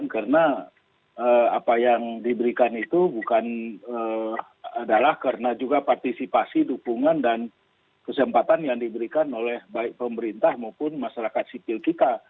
karena apa yang diberikan itu bukan adalah karena juga partisipasi dukungan dan kesempatan yang diberikan oleh baik pemerintah maupun masyarakat sipil kita